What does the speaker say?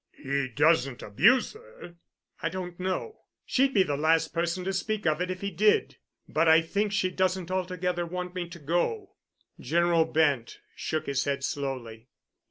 "He doesn't abuse her?" "I don't know. She'd be the last person to speak of it if he did. But I think she doesn't altogether want me to go." General Bent shook his head slowly.